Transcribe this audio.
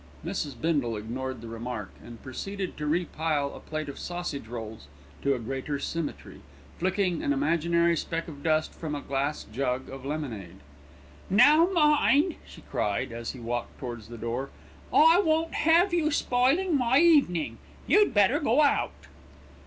Mrs. Bindle ignored the remark, and proceeded to re pile a plate of sausage rolls to a greater symmetry, flicking an imaginary speck of dust from a glass jug of lemonade. "Now mind," she cried, as he walked towards the door, "I won't have you spoiling my evening, you'd better go out."